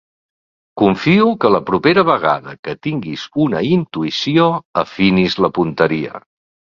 Confio que la propera vegada que tinguis una intuïció afinis la punteria.